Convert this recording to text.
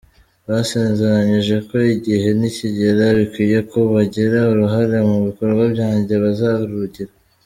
Bansezeranyije ko igihe nikigera bikwiye ko bagira uruhare mu bikorwa byanjye bazarugira.